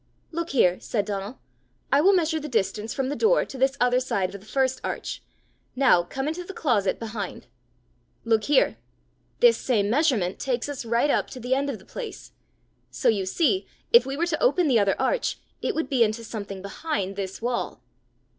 "Look here," said Donal; "I will measure the distance from the door to the other side of this first arch. Now come into the closet behind. Look here! This same measurement takes us right up to the end of the place! So you see if we were to open the other arch, it would be into something behind this wall."